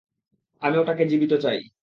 আমি ওটাকে জীবিত চাই।